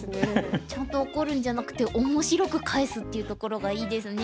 ちゃんと怒るんじゃなくて面白く返すっていうところがいいですね。